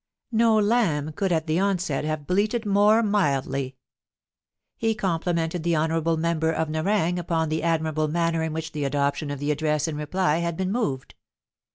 No lamb could at the onset have bleated more mildly. He complimented the honourable member for Nerang upon the admirable manner in which the Adoption of the Address in reply had been moved.